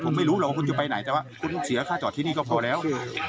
คุณไม่รู้หรอกว่าคุณจะไปไหนแต่ว่าคุณต้องเสียค่าจอดที่นี่ก็พอแล้ว